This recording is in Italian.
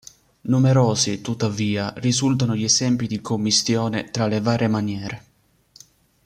Numerosi, tuttavia, risultano gli esempi di commistione tra le varie maniere.